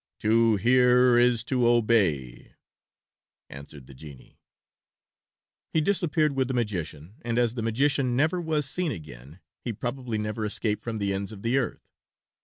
"To hear is to obey," answered the genie. He disappeared with the magician, and as the magician never was seen again he probably never escaped from the ends of the earth.